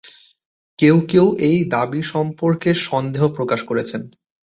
কেউ কেউ এই দাবি সম্পর্কে সন্দেহ প্রকাশ করেছেন।